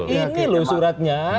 ini loh suratnya